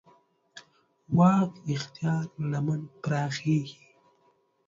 واک اختیار لمن پراخېږي.